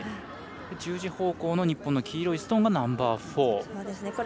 １０時方向の日本の黄色いストーンがナンバーフォー。